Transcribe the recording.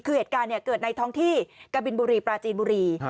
คือเหตุการณ์เกิดในท้องที่กะบินบุรีปราจีนบุรี